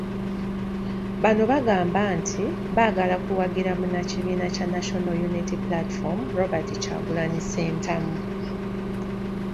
Bano bagamba nti, baagala kuwagira munnakibiina kya National Unity Platform , Robert Kyagulanyi Ssentamu.